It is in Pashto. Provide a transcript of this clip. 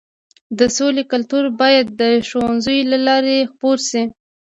د سولې کلتور باید د ښوونځیو له لارې خپور شي.